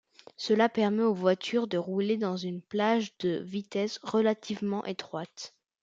Cela permet aux voitures de rouler dans une plage de vitesses relativement étroite.